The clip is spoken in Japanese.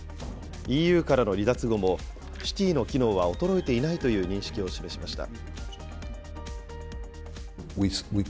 ＥＵからの離脱後も、シティの機能は衰えていないという認識を示しました。